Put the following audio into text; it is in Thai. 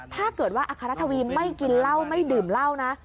ถ้าเกิดว่าอัครทวีไม่กินเหล้าไม่ดื่มเหล้านะ